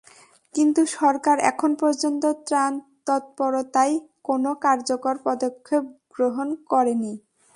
কিন্তু সরকার এখন পর্যন্ত ত্রাণ তৎপরতায় কোনো কার্যকর পদক্ষেপ গ্রহণ করেনি।